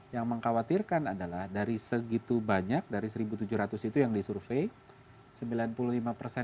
yang mengkhawatirkan adalah dari segitu banyak dari satu tujuh ratus itu yang disurvey